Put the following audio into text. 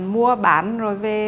mua bán rồi về